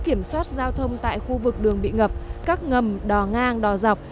kiểm soát giao thông tại khu vực đường bị ngập các ngầm đò ngang đò dọc